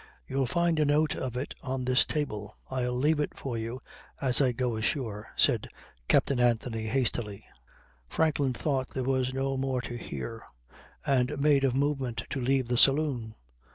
"You'll find a note of it on this table. I'll leave it for you as I go ashore," said Captain Anthony hastily. Franklin thought there was no more to hear, and made a movement to leave the saloon.